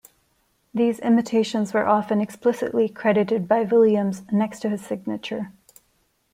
These imitations were often explicitly credited by Williams next to his signature.